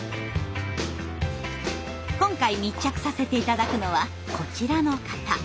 今回密着させて頂くのはこちらの方。